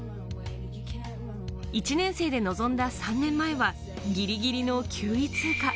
１年生で臨んだ３年前はギリギリの９位通過。